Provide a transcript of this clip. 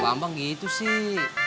pak bambang gitu sih